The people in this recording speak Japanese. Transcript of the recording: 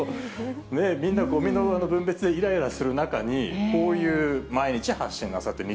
みんなごみの分別でいらいらする中に、こういう毎日発信をなさってる。